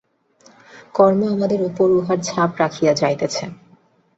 কর্ম আমাদের উপর উহার ছাপ রাখিয়া যাইতেছে।